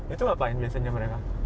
itu ngapain bensinnya mereka